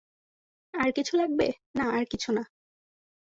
"আর কিছু লাগবে?" "না, আর কিছু না।"